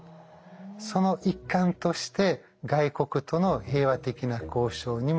その一環として外国との平和的な交渉にも力を注ぎました。